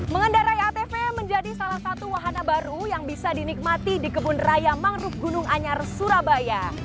mengendarai atv menjadi salah satu wahana baru yang bisa dinikmati di kebun raya mangrove gunung anyar surabaya